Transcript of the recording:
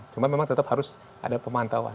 cuma memang tetap harus ada pemantauan